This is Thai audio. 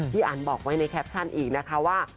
อันบอกไว้ในแคปชั่นอีกนะคะว่า